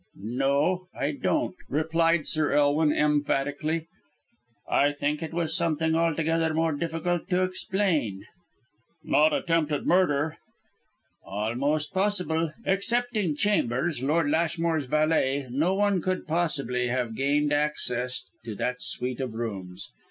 "No I don't," replied Sir Elwin emphatically. "I think it was something altogether more difficult to explain." "Not attempted murder?" "Almost impossible. Excepting Chambers, Lord Lashmore's valet, no one could possibly have gained access to that suite of rooms.